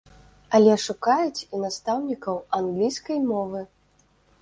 Але шукаюць і настаўнікаў англійскай мовы.